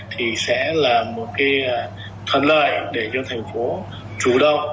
thì sẽ là một cái thuận lợi để cho thành phố chủ động